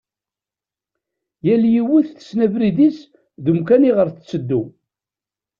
Yal yiwet tessen abrid-is d umkan iɣer tettuddu.